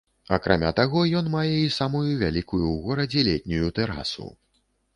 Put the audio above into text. Акрамя таго, ён мае і самую вялікую ў горадзе летнюю тэрасу.